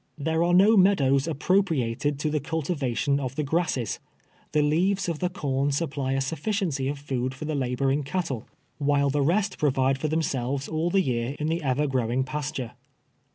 There are no meadows appropriated to the cultiva tion of the grasses. The leaves of the corn supply a Bufficiency of food fur the laboring cattle, while the LIFE AT THE SOUTH. liO rest provide for tliemsclves all the year in the ever growing pasture.